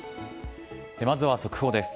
まずは速報です。